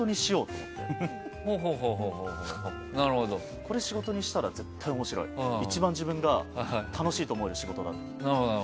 これ仕事にしたら絶対面白い一番自分が楽しいと思える仕事だって。